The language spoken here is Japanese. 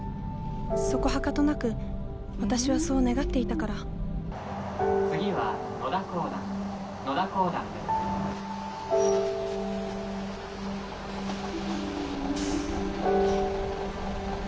そこはかとなく私はそう願っていたから「次は野田公団野田公団です」。